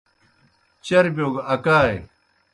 چربِیو گہ اکائے۔